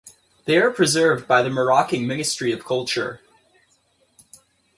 They are preserved by the Moroccan Ministry of Culture.